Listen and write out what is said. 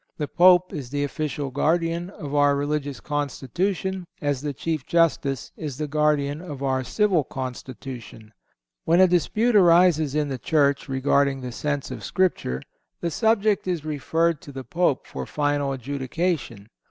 The Pope is the official guardian of our religious constitution, as the Chief Justice is the guardian of our civil constitution. When a dispute arises in the Church regarding the sense of Scripture the subject is referred to the Pope for final adjudication.